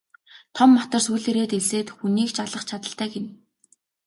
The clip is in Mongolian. Том матар сүүлээрээ дэлсээд хүнийг ч алах чадалтай гэнэ.